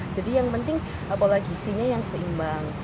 jadi yang penting pola gisinya yang seimbang